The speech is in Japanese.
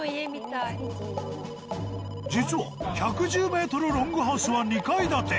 実は１１０ｍロングハウスは２階建て。